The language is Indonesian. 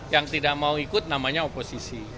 yang tidak mau ikut namanya oposisi